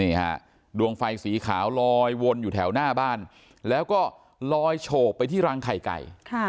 นี่ฮะดวงไฟสีขาวลอยวนอยู่แถวหน้าบ้านแล้วก็ลอยโฉบไปที่รังไข่ไก่